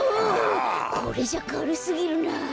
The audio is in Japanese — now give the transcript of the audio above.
これじゃあかるすぎるな。